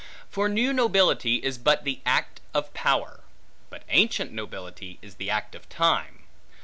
For new nobility is but the act of power, but ancient nobility is the act of time.